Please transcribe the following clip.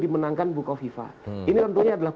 dimenangkan buko viva ini tentunya adalah